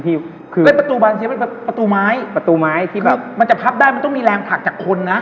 เป็นประตูบานเสียงมันเป็นประตูไม้มันจะพับได้มันต้องมีแรงผลักจากคนนะ